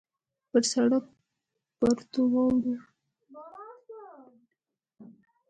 پر سړک پرتو واورو باندې د موټرو نښې ښکارېدې.